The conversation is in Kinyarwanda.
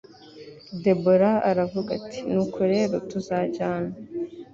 debora aravuga ati nuko rero tuzajyana